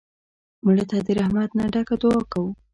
مړه ته د رحمت نه ډکه دعا کوو